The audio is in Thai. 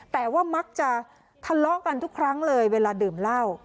แต่ว่ามักจะทะเลาะกันทุกครั้งเลยเวลาดื่มเหล้า